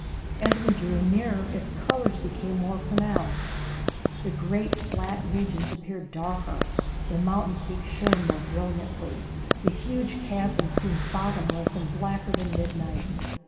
As we drew nearer its colors became more pronounced; the great flat regions appeared darker; the mountain peaks shone more brilliantly. The huge chasms seemed bottomless and blacker than midnight.